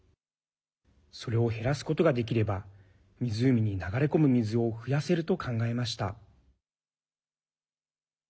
それを減らすことができれば湖に流れ込む水を増やせると考えました。